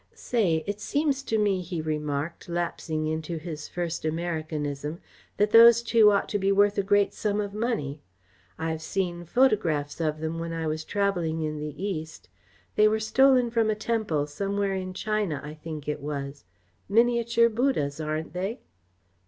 "Say, it seems to me," he remarked, lapsing into his first Americanism, "that those two ought to be worth a great sum of money. I've seen photographs of them when I was travelling in the East. They were stolen from a temple, somewhere in China, I think it was. Miniature Buddhas, aren't they?"